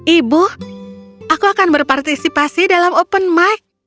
ibu aku akan berpartisipasi dalam open mic